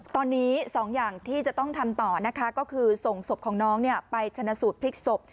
ตอนนี้๒อย่างที่จะต้องทำต่อนะคะก็คือส่งศพของน้องไปชนะสูตรพลิกศพ